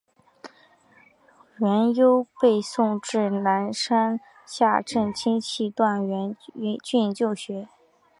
阮攸被送至山南下镇亲戚段阮俊就学。